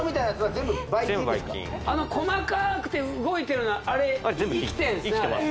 全部ばい菌あの細かくて動いてるのはあれ生きてるんですね